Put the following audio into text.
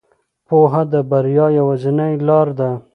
پوهه د بریا یوازینۍ لار ده.